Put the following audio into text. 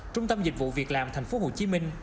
trung tâm dịch vụ việc làm tp hcm